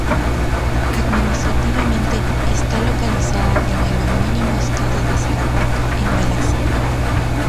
Administrativamente está localizada en el homónimo estado de Sarawak, en Malasia.